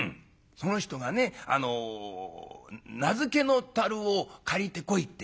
「その人がねあの菜漬けの樽を借りてこいって」。